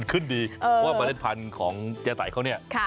มันขึ้นดีเพราะว่าเมล็ดพันธุ์ของเจ๊ไต๋เขา